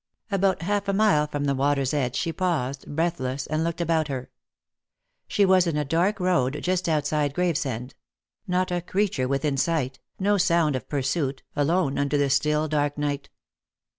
About half a mile from the water's edge she paused, breath less, and looked about her. She was in a dark road just out side Gravesend ; not a creature within sight, no sound of pur suit, alone under the still dark night.